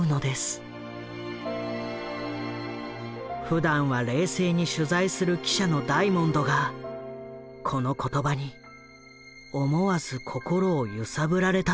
ふだんは冷静に取材する記者のダイモンドがこの言葉に思わず心を揺さぶられたという。